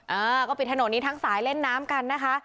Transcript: เออก็ปิดถนนนี้ทั้งสายเล่นน้ำกันนะคะ